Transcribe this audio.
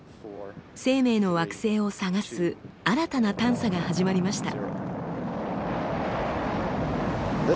生命の惑星を探す新たな探査が始まりました。